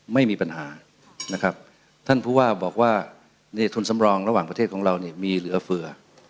ไม่มีปัญหานะครับท่านผู้ว่าบอกว่าในทุนสำรองระหว่างประเทศของเราเนี่ยมีเหลือเผื่อ